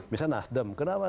misalnya nasdem kenapa